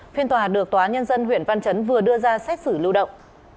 phiên tòa được tòa nhân dân huyện văn chấn vừa đưa ra xét xử lưu động